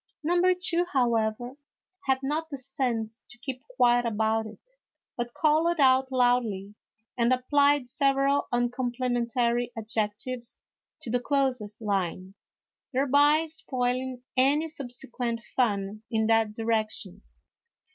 Number two, however, had not the sense to keep quiet about it, but called out loudly, and applied several uncomplimentary adjectives to the clothes line, thereby spoiling any subsequent fun in that direction.